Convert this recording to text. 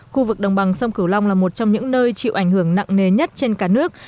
khu vực đồng bằng sông cửu long là một trong những nơi chịu ảnh hưởng nặng nề nhất trên cả nước